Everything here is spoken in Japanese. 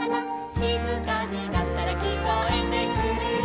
「しずかになったらきこえてくるよ」